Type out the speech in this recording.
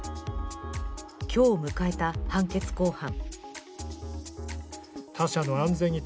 今日迎えた判決公判。